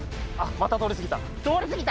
また通り過ぎた。